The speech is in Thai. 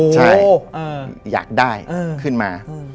ใช่อยากได้ขึ้นมา